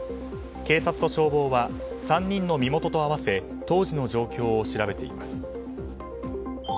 警察と消防は３人の身元と合わせ当時の状況を調べています。